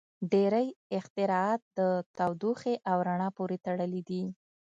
• ډیری اختراعات د تودوخې او رڼا پورې تړلي دي.